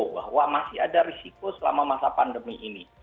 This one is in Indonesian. bahwa masih ada risiko selama masa pandemi ini